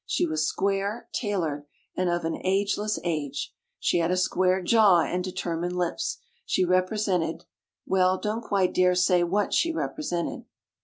She was square, tailored, and of an ageless age. She had a square jaw, and determined lips. She represented — well, don't quite dare say what she represented.